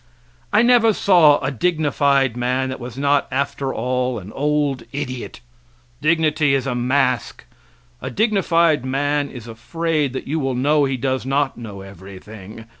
I never saw a dignified man that was not after all an old idiot. Dignity is a mask; a dignified man is afraid that you will know he does not know everything.